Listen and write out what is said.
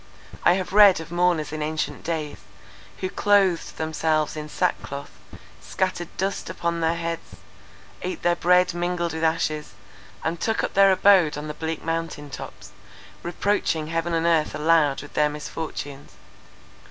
I have read of mourners in ancient days, who clothed themselves in sackcloth, scattered dust upon their heads, ate their bread mingled with ashes, and took up their abode on the bleak mountain tops, reproaching heaven and earth aloud with their misfortunes.